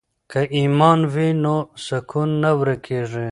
که ایمان وي نو سکون نه ورکیږي.